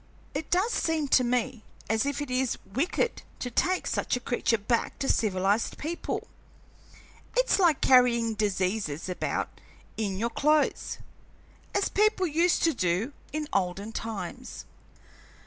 It does seem to me as if it is wicked to take such a creature back to civilized people. It's like carrying diseases about in your clothes, as people used to do in olden times."